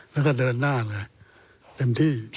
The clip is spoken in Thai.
แล้วก็เดินหน้าเลยเต็มที่